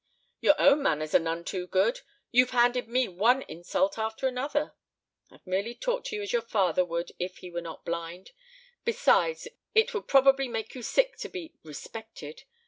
"Your own manners are none too good. You've handed me one insult after another." "I've merely talked to you as your father would if he were not blind. Besides, it would probably make you sick to be 'respected.'